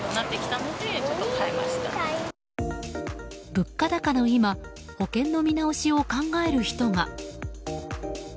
物価高の今保険の見直しを考える人が。